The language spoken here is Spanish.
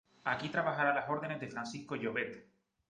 Aquí trabajará a las órdenes de Francisco Llobet.